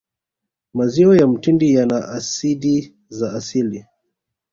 maziwa ya mtindi yana asidi za asili